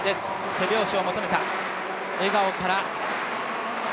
手拍子を求めた、笑顔から。